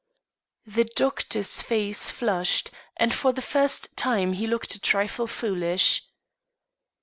The doctor's face flushed, and for the first time he looked a trifle foolish.